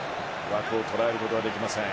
枠を捉えることはできません。